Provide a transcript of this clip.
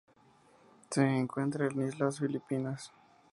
Se encuentra en las islas Filipinas.